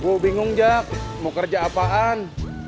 bu bingung jak mau kerja apaan